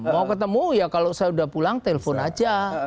mau ketemu ya kalau saya udah pulang telpon aja